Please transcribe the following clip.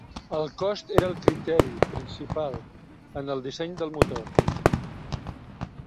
El cost era el criteri principal en el disseny del motor.